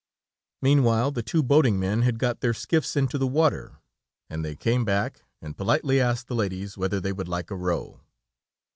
Meanwhile, the two boating men had got their skiffs into the water, and they came back, and politely asked the ladies whether they would like a row.